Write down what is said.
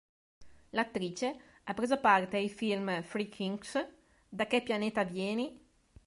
L'attrice ha preso parte ai film "Three Kings", "Da che pianeta vieni?